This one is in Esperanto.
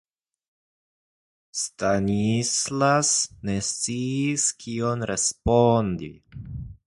Stanislas ne sciis, kion respondi.